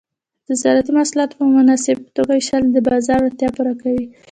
د زراعتي محصولات په مناسبه توګه ویشل د بازار اړتیا پوره کوي.